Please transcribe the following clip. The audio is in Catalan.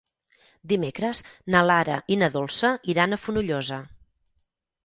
Dimecres na Lara i na Dolça iran a Fonollosa.